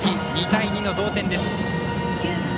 ２対２の同点です。